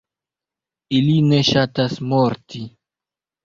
Ili ne ŝatas morti.